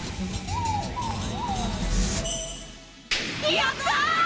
やった！